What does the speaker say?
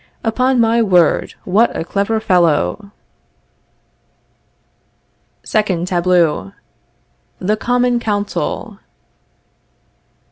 Upon my word, what a clever fellow! SECOND TABLEAU. _The Common Council.